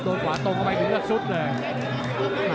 โดนขวาตรงเข้าไปถึงอักษุทธิ์เลย